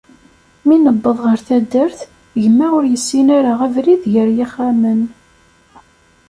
Mi newweḍ ɣer taddert, gma ur yessin ara abrid gar yixxamen.